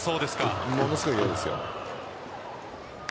ものすごく嫌です。